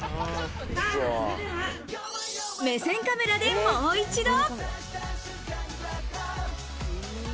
目線カメラで、もう一度。